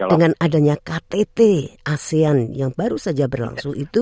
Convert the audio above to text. dengan adanya ktt asean yang baru saja berlangsung itu